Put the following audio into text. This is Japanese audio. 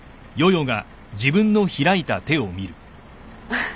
あっ。